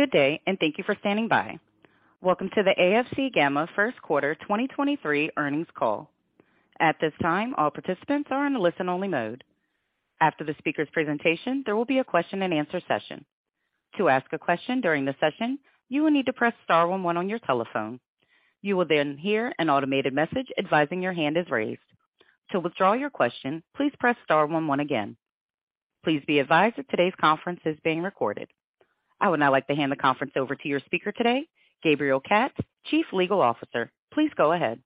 Good day. Thank you for standing by. Welcome to the AFC Gamma first quarter 2023 earnings call. At this time, all participants are in listen-only mode. After the speaker's presentation, there will be a question-and-answer session. To ask a question during the session, you will need to press star one one on your telephone. You will hear an automated message advising your hand is raised. To withdraw your question, please press star one one again. Please be advised that today's conference is being recorded. I would now like to hand the conference over to your speaker today, Gabriel Katz, Chief Legal Officer. Please go ahead.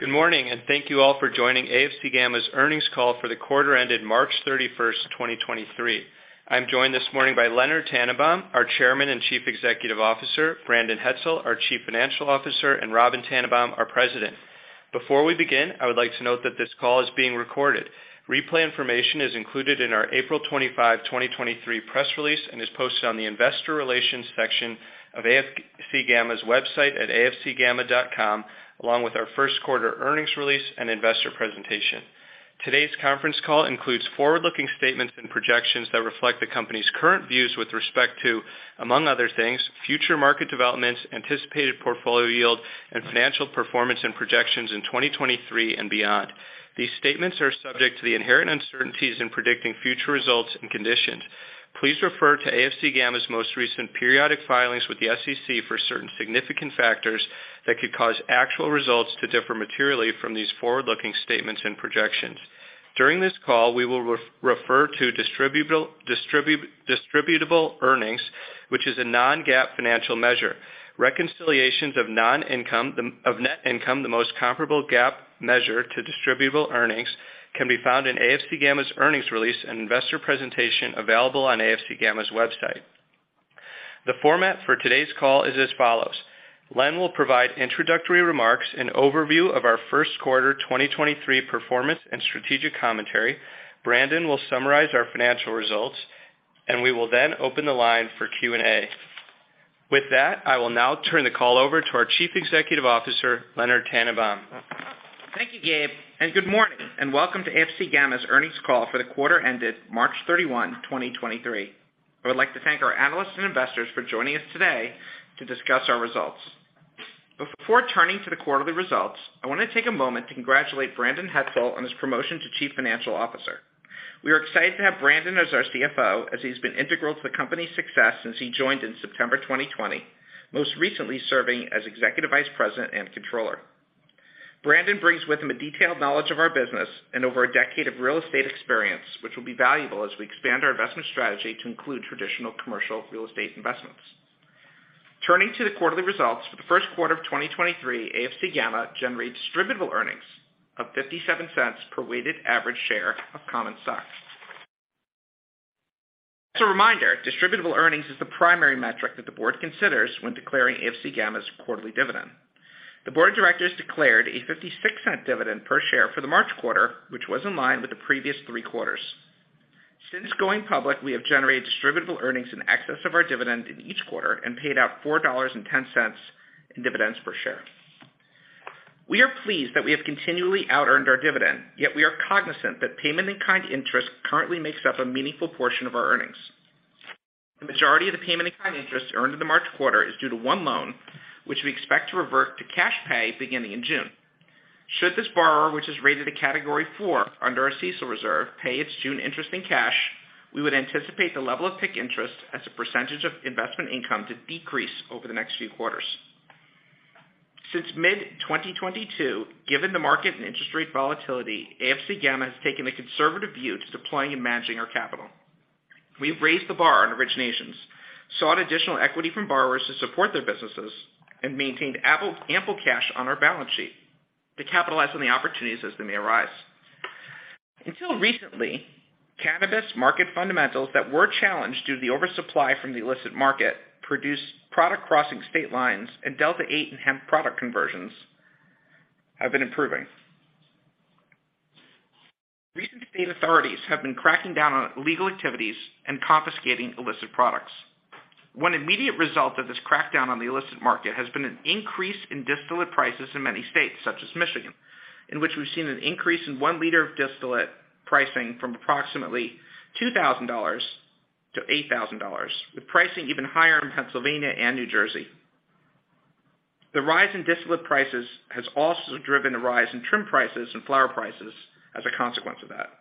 Good morning. Thank you all for joining AFC Gamma's earnings call for the quarter ended March 31, 2023. I'm joined this morning by Leonard Tannenbaum, our Chairman and Chief Executive Officer, Brandon Hetzel, our Chief Financial Officer, and Robyn Tannenbaum, our President. Before we begin, I would like to note that this call is being recorded. Replay information is included in our April 25, 2023 press release and is posted on the investor relations section of AFC Gamma's website at afcgamma.com, along with our first quarter earnings release and investor presentation. Today's conference call includes forward-looking statements and projections that reflect the company's current views with respect to, among other things, future market developments, anticipated portfolio yield, and financial performance and projections in 2023 and beyond. Please refer to AFC Gamma's most recent periodic filings with the SEC for certain significant factors that could cause actual results to differ materially from these forward-looking statements and projections. During this call, we will refer Distributable earnings, which is a non-GAAP financial measure. Reconciliations of net income, the most comparable GAAP measure Distributable earnings, can be found in AFC Gamma's earnings release and investor presentation available on AFC Gamma's website. The format for today's call is as follows. Len will provide introductory remarks and overview of our first quarter 2023 performance and strategic commentary. Brandon will summarize our financial results. We will then open the line for Q&A. With that, I will now turn the call over to our Chief Executive Officer, Leonard Tannenbaum. Thank you, Gabe, and good morning, and welcome to AFC Gamma's earnings call for the quarter ended March 31, 2023. I would like to thank our analysts and investors for joining us today to discuss our results. Before turning to the quarterly results, I wanna take a moment to congratulate Brandon Hetzel on his promotion to Chief Financial Officer. We are excited to have Brandon as our CFO, as he's been integral to the company's success since he joined in September 2020. Most recently serving as Executive Vice President and Controller. Brandon brings with him a detailed knowledge of our business and over a decade of real estate experience, which will be valuable as we expand our investment strategy to include traditional commercial real estate investments. Turning to the quarterly results, for the first quarter of 2023, AFC Gamma Distributable earnings of $0.57 per weighted average share of common stock. As a Distributable earnings is the primary metric that the board considers when declaring AFC Gamma's quarterly dividend. The board of directors declared a $0.56 dividend per share for the March quarter, which was in line with the previous three quarters. Since going public, we have Distributable earnings in excess of our dividend in each quarter and paid out $4.10 in dividends per share. We are pleased that we have continually outearned our dividend, yet we are cognizant that payment in kind interest currently makes up a meaningful portion of our earnings. The majority of the payment in kind interest earned in the March quarter is due to 1 loan, which we expect to revert to cash pay beginning in June. Should this borrower, which is rated a category 4 under our CECL reserve, pay its June interest in cash, we would anticipate the level of PIK interest as a % of investment income to decrease over the next few quarters. Since mid-2022, given the market and interest rate volatility, AFC Gamma has taken a conservative view to deploying and managing our capital. We've raised the bar on originations, sought additional equity from borrowers to support their businesses, and maintained ample cash on our balance sheet to capitalize on the opportunities as they may arise. Until recently, cannabis market fundamentals that were challenged due to the oversupply from the illicit market produced product crossing state lines and Delta-8 and hemp product conversions have been improving. Recent state authorities have been cracking down on illegal activities and confiscating illicit products. One immediate result of this crackdown on the illicit market has been an increase in distillate prices in many states, such as Michigan, in which we've seen an increase in 1L of distillate pricing from approximately $2,000 - $8,000, with pricing even higher in Pennsylvania and New Jersey. The rise in distillate prices has also driven a rise in trim prices and flower prices as a consequence of that.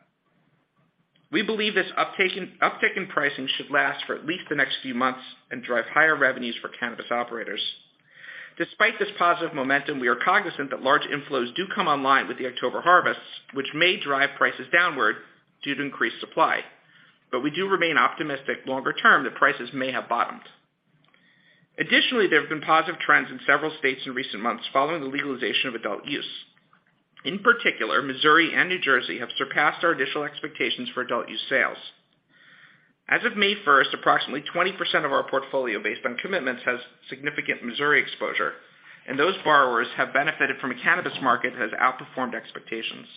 We believe this uptick in pricing should last for at least the next few months and drive higher revenues for cannabis operators. Despite this positive momentum, we are cognizant that large inflows do come online with the October harvests, which may drive prices downward due to increased supply. We do remain optimistic longer term that prices may have bottomed. Additionally, there have been positive trends in several states in recent months following the legalization of adult use. In particular, Missouri and New Jersey have surpassed our initial expectations for adult use sales. As of May 1st, approximately 20% of our portfolio based on commitments has significant Missouri exposure, and those borrowers have benefited from a cannabis market that has outperformed expectations.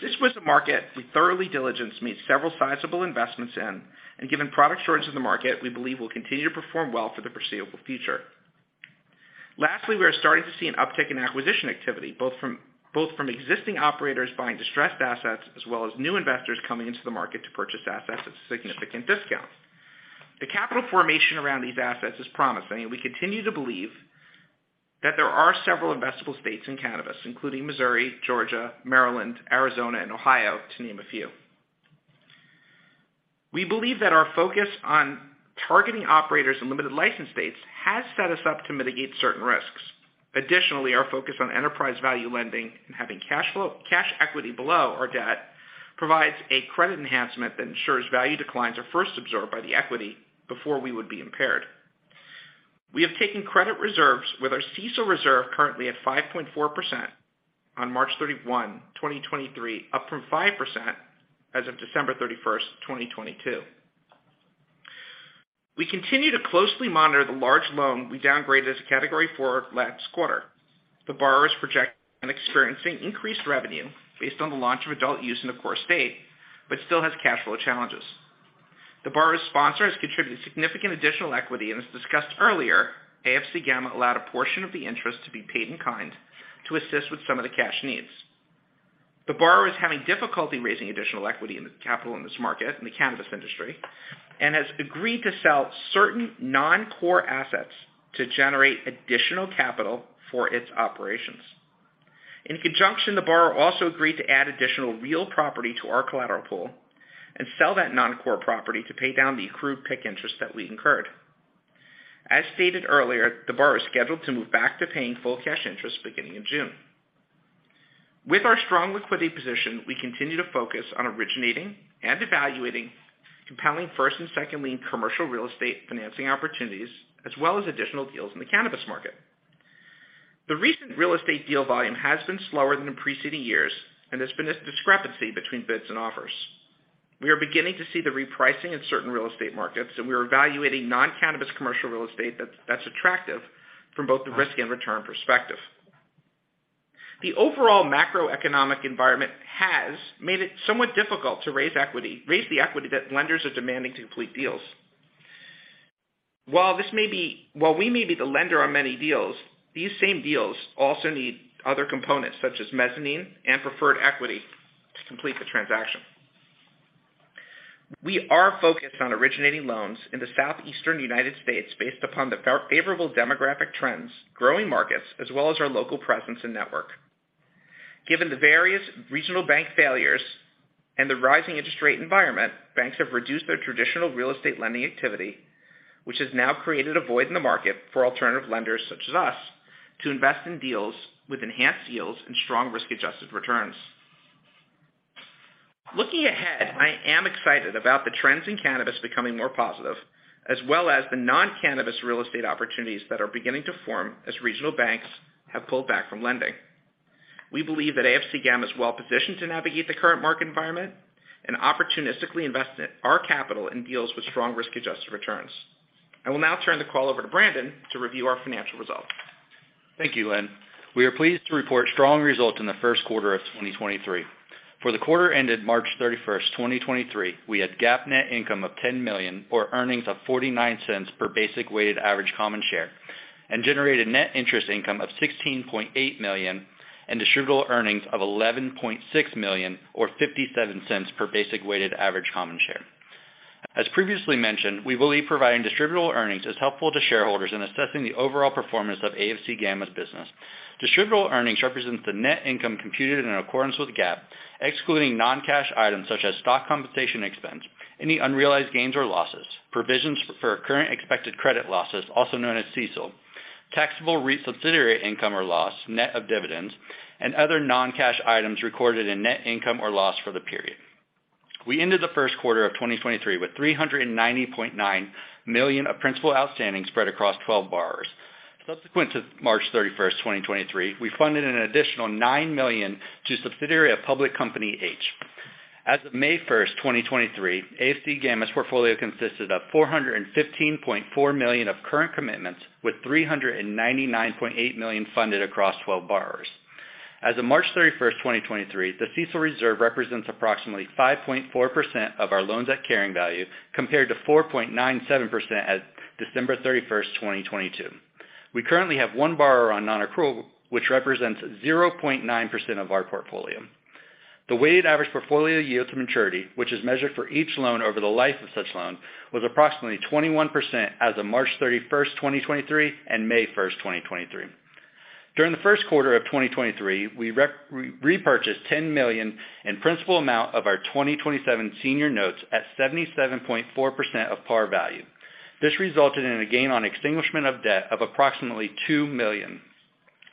This was a market we thoroughly diligenced made several sizable investments in. Given product shortage in the market, we believe will continue to perform well for the foreseeable future. Lastly, we are starting to see an uptick in acquisition activity, both from existing operators buying distressed assets as well as new investors coming into the market to purchase assets at significant discounts. The capital formation around these assets is promising. We continue to believe that there are several investable states in cannabis, including Missouri, Georgia, Maryland, Arizona, and Ohio, to name a few. We believe that our focus on targeting operators in limited license states has set us up to mitigate certain risks. Additionally, our focus on enterprise value lending and having cash equity below our debt provides a credit enhancement that ensures value declines are first absorbed by the equity before we would be impaired. We have taken credit reserves with our CECL reserve currently at 5.4% on March 31, 2023, up from 5% as of December 31, 2022. We continue to closely monitor the large loan we downgraded as a category for last quarter. The borrower is projecting and experiencing increased revenue based on the launch of adult use in the core state, but still has cash flow challenges. The borrower's sponsor has contributed significant additional equity, and as discussed earlier, AFC Gamma allowed a portion of the interest to be paid in kind to assist with some of the cash needs. The borrower is having difficulty raising additional equity in the capital in this market, in the cannabis industry, and has agreed to sell certain non-core assets to generate additional capital for its operations. In conjunction, the borrower also agreed to add additional real property to our collateral pool and sell that non-core property to pay down the accrued PIK interest that we incurred. As stated earlier, the borrower is scheduled to move back to paying full cash interest beginning in June. With our strong liquidity position, we continue to focus on originating and evaluating compelling first and second lien commercial real estate financing opportunities, as well as additional deals in the cannabis market. The recent real estate deal volume has been slower than in preceding years, and there's been a discrepancy between bids and offers. We are beginning to see the repricing in certain real estate markets. We are evaluating non-cannabis commercial real estate that's attractive from both the risk and return perspective. The overall macroeconomic environment has made it somewhat difficult to raise the equity that lenders are demanding to complete deals. While we may be the lender on many deals, these same deals also need other components, such as mezzanine and preferred equity, to complete the transaction. We are focused on originating loans in the Southeastern United States based upon favorable demographic trends, growing markets, as well as our local presence and network. Given the various regional bank failures and the rising interest rate environment, banks have reduced their traditional real estate lending activity, which has now created a void in the market for alternative lenders such as us to invest in deals with enhanced yields and strong risk-adjusted returns. Looking ahead, I am excited about the trends in cannabis becoming more positive, as well as the non-cannabis real estate opportunities that are beginning to form as regional banks have pulled back from lending. We believe that AFC Gamma is well-positioned to navigate the current market environment and opportunistically invest in our capital in deals with strong risk-adjusted returns. I will now turn the call over to Brandon to review our financial results. Thank you, Len. We are pleased to report strong results in the first quarter of 2023. For the quarter ended March 31, 2023, we had GAAP net income of $10 million, or earnings of $0.49 per basic weighted average common share, and generated net interest income of $16.8 million Distributable earnings of $11.6 million, or $0.57 per basic weighted average common share. As previously mentioned, we believe Distributable earnings is helpful to shareholders in assessing the overall performance of AFC Gamma's Distributable earnings represents the net income computed in accordance with GAAP, excluding non-cash items such as stock compensation expense, any unrealized gains or losses, provisions for current expected credit losses, also known as CECL, taxable REIT subsidiary income or loss, net of dividends, and other non-cash items recorded in net income or loss for the period. We ended the 1st quarter of 2023 with $390.9 million of principal outstanding spread across 12 borrowers. Subsequent to March 31, 2023, we funded an additional $9 million to subsidiary of public company H. As of May 1, 2023, AFC Gamma's portfolio consisted of $415.4 million of current commitments with $399.8 million funded across 12 borrowers. As of March 31, 2023, the CECL reserve represents approximately 5.4% of our loans at carrying value compared to 4.97% as December 31, 2022. We currently have one borrower on non-accrual, which represents 0.9% of our portfolio. The weighted average portfolio yield to maturity, which is measured for each loan over the life of such loan, was approximately 21% as of March 31, 2023 and May 1, 2023. During the first quarter of 2023, we repurchased $10 million in principal amount of our 2027 Senior Notes at 77.4% of par value. This resulted in a gain on extinguishment of debt of approximately $2 million.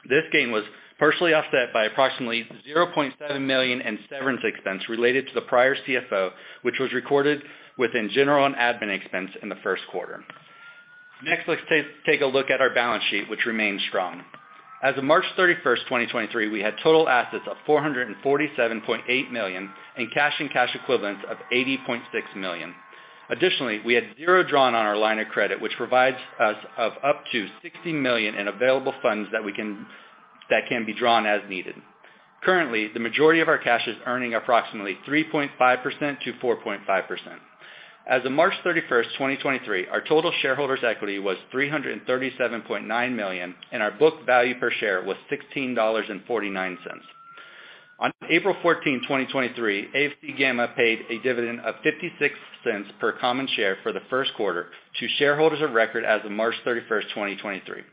This gain was partially offset by approximately $0.7 million in severance expense related to the prior CFO, which was recorded within general and admin expense in the first quarter. Let's take a look at our balance sheet, which remains strong. As of March 31, 2023, we had total assets of $447.8 million, and cash and cash equivalents of $80.6 million. Additionally, we had 0 drawn on our line of credit, which provides us of up to $60 million in available funds that can be drawn as needed. Currently, the majority of our cash is earning approximately 3.5%-4.5%. As of March 31, 2023, our total shareholders' equity was $337.9 million, and our book value per share was $16.49. On April 14, 2023, AFC Gamma paid a dividend of $0.56 per common share for the first quarter to shareholders of record as of March 31, 2023.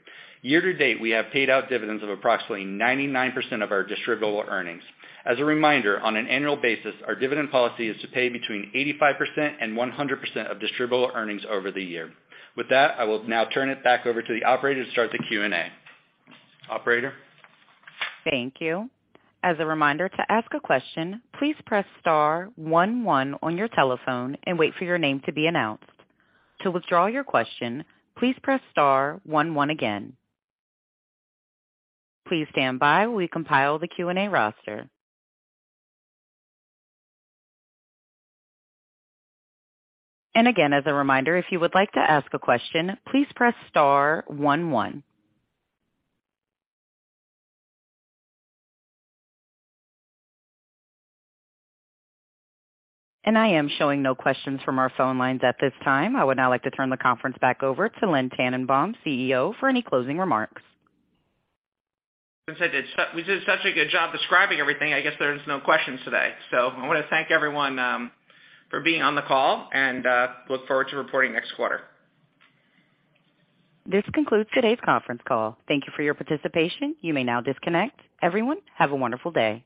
Year to date, we have paid out dividends of approximately 99% of Distributable earnings. As a reminder, on an annual basis, our dividend policy is to pay between 85% and 100% Distributable earnings over the year. With that, I will now turn it back over to the operator to start the Q&A. Operator? Thank you. As a reminder, to ask a question, please press star one one on your telephone and wait for your name to be announced. To withdraw your question, please press star one one again. Please stand by while we compile the Q&A roster. Again, as a reminder, if you would like to ask a question, please press star one one. I am showing no questions from our phone lines at this time. I would now like to turn the conference back over to Len Tannenbaum, CEO, for any closing remarks. Since we did such a good job describing everything, I guess there's no questions today. I wanna thank everyone for being on the call and look forward to reporting next quarter. This concludes today's conference call. Thank you for your participation. You may now disconnect. Everyone, have a wonderful day.